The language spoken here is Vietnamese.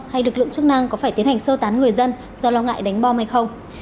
hay lực lượng chức năng có phải tiến hành sơ tán người dân do lo ngại đánh bom hay không